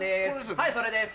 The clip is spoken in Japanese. はいそれです。